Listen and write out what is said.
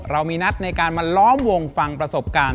เรามีนัดในการมาล้อมวงฟังประสบการณ์